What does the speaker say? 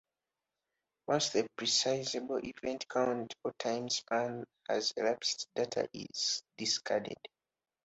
Once the prescribed event count or timespan has elapsed, data is discarded.